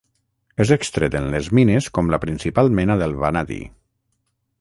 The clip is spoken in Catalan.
És extret en les mines com la principal mena del vanadi.